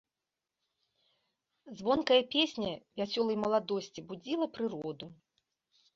Звонкая песня вясёлай маладосці будзіла прыроду.